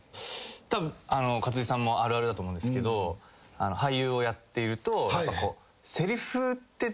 たぶん勝地さんもあるあるだと思うんですけど俳優をやっていると。